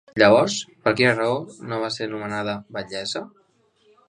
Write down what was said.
Llavors, per quina raó no va ser nomenada batllessa?